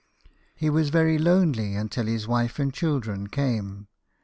He was very lonely until his wife and children came.